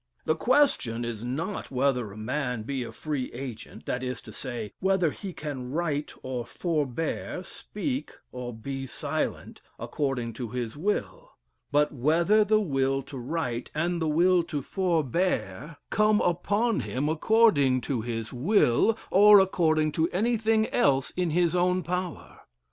"The question is not whether a man be a free agent that is to say, whether he can write, or forbear, speak, or be silent, according to his will; but whether the will to write, and the will to forbear, come upon him according to his will, or according to anything else in his own power.